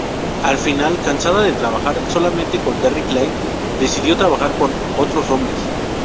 Al final, cansada de trabajar solamente con Derrick Lane, decidió trabajar con otros hombres.